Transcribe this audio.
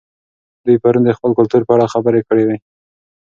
دوی پرون د خپل کلتور په اړه خبرې کړې وې.